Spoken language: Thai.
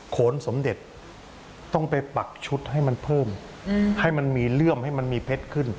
โขนสมเด็จต้องไปปักชุดให้มันเพิ่มให้มันมีเลื่อมให้มันมีเพชรขึ้น